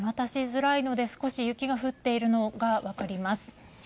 見渡しづらいので少し雪が降っていることが分かります。